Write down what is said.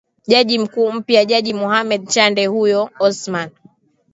jaji mkuu mpya jaji mohammed chande huyo osman